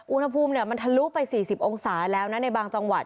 อุณหภูมิมันทะลุไป๔๐องศาแล้วนะในบางจังหวัด